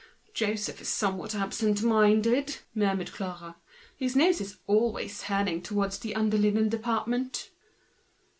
"Joseph is somewhat absent minded," murmured Clara. "His nose is always turned towards the under linen department."